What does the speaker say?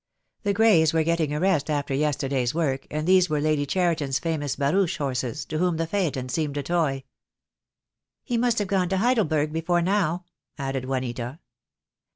The greys were getting a rest after yesterday's work, and these were Lady Cheriton's famous barouche horses, to whom the phaeton seemed a toy. "He must have gone to Heidelberg before now," added Juanita.